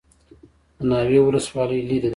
د ناوه ولسوالۍ لیرې ده